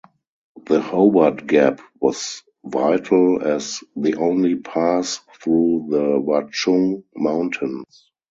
The Hobart Gap was vital as the only pass through the Watchung Mountains.